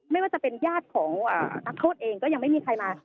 ไม่ว่าจะเป็นญาติของนักโทษเองก็ยังไม่มีใครมา